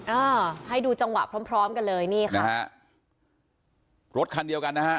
เออให้ดูจังหวะพร้อมพร้อมกันเลยนี่ค่ะฮะรถคันเดียวกันนะฮะ